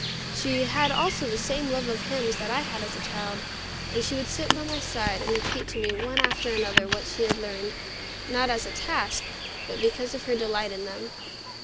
She had also the same love of hymns that I had as a child, and she would sit by my side and repeat to me one after another that she had learned, not as a task, but because of her delight in them.